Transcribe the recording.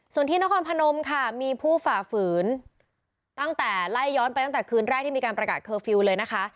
ส่วนที่นครพนมค่ะมีผู้ฝ่าฝืนตั้งแต่ไล่ย้อนไปตั้งแต่คืนแรกที่มีการประกาศเคอร์ฟิลล์เลยนะคะ